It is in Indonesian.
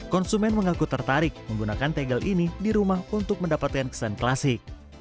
konsumen mengaku tertarik menggunakan tegel ini di rumah untuk mendapatkan kesan klasik